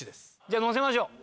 じゃあ乗せましょう。